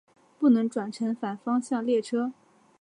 不能转乘反方向列车。